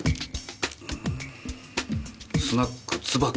「スナック椿」？